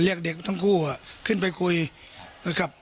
เรียกเด็กทั้งคู่ขึ้นไปคุยนะครับ